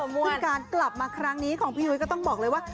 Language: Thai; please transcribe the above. ซึ่งการกลับมาครั้งนี้ของพี่ยุ้ยก็ต้องบอกเลยว่า